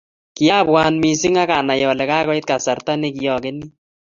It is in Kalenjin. Kiabwat mising akanai ale kakoit kasarta ne kiokenyi